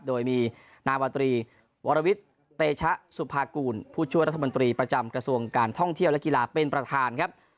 โดยมีนาวาตรีวรวิทย์เตชะสุภากูลผู้ช่วยรัฐมนตรีประจำกระทรวงการท่องเที่ยวและกีฬาเป็นประธานครับ